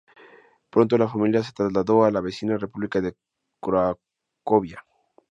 Pronto la familia se trasladó a la vecina República de Cracovia.